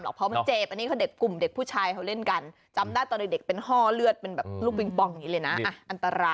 ลูกบอลชนกันนะป๊ะ